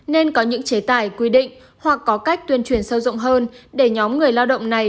nên có những chế tài quy định hoặc có cách tuyên truyền sâu rộng hơn để nhóm người lao động này